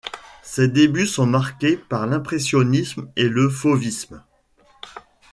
Ses débuts sont marqués par l’impressionnisme et le fauvisme.